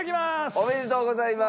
おめでとうございます！